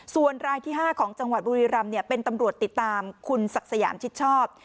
ส่วนรายที่๕ของจังหวัดบุรีรำเป็นตำรวจติดตามคุณศักดิ์สยามชิดชอบ